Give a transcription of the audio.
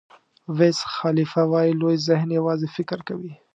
ویز خالیفه وایي لوی ذهن یوازې فکر کوي.